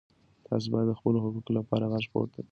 تاسو باید د خپلو حقوقو لپاره غږ پورته کړئ.